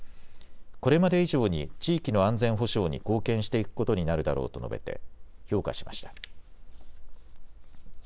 これまで以上に地域の安全保障に貢献していくことになるだろうと述べて評価しました。